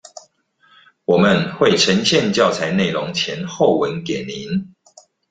我們會呈現教材內容前後文給您